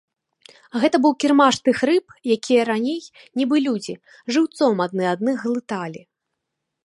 Гэта быў кірмаш тых рыб, якія раней, нібы людзі, жыўцом адны адных глыталі.